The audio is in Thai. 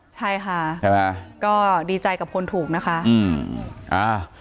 ใช่ค่ะก็ดีใจกับคนถูกนะคะ